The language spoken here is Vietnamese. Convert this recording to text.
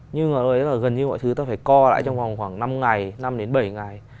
nhưng mà gần như mọi thứ ta phải co lại trong khoảng năm ngày năm đến bảy ngày